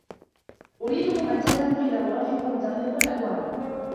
أريدكم أن تذهبوا إلى غرفكم وتغلقوا الأبواب.